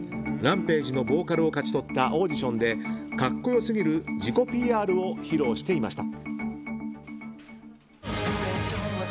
ＲＡＭＰＡＧＥのボーカルを勝ち取ったオーディションで格好良すぎる自己ＰＲを披露していました。